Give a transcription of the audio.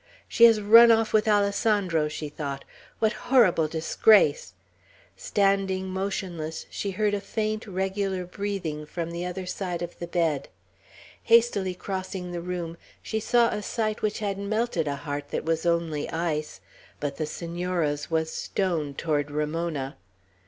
"She has run off with Alessandro," she thought, "What horrible disgrace." Standing motionless, she heard a faint, regular breathing from the other side of the bed. Hastily crossing the room, she saw a sight which had melted a heart that was only ice; but the Senora's was stone toward Ramona.